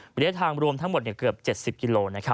บริลทางรวมทั้งหมดเกือบ๗๐กิโลเมตร